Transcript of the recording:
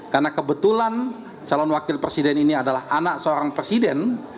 karena kebetulan calon wakil presiden ini adalah anak seorang presiden